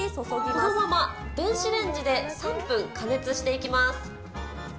このまま電子レンジで３分加熱していきます。